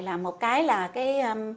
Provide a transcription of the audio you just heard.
là một cái là cái